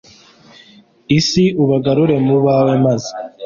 isi, ubagarure mu bawe maze